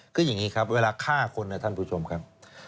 คืออย่างนี้ครับเวลาฆ่าคนนะท่านผู้ชมครับ